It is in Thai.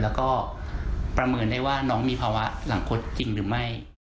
แล้วก็ประเมินได้ว่าน้องมีภาวะหลังคดจริงหรือไม่